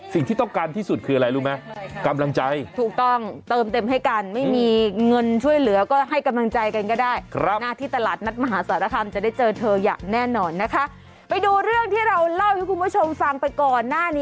สิ่งที่ต้องการที่สุดคืออะไรรู้ไหม